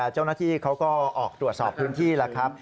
เจ้าหน้าที่เขาก็ออกตรวจสอบพื้นที่แล้วครับ